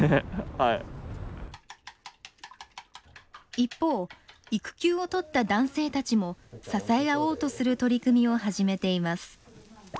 一方育休を取った男性たちも支え合おうとする取り組みを始めています。